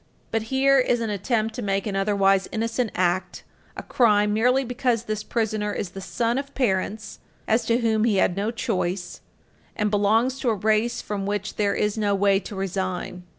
But here is an attempt to make an otherwise innocent act a crime merely because this prisoner is the son of parents as to whom he had no choice, and belongs to a race from which there is no way to resign.